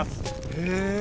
へえ。